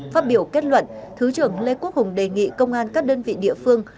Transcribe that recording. phát biểu kết luận thứ trưởng lê quốc hùng đề nghị công an các đơn vị địa phương